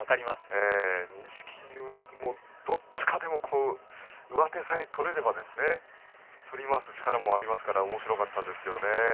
錦木も、どっちかでも上手さえ取れれば振り回す力もありますからおもしろかったんですがね。